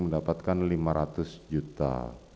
mendapatkan lima ratus juta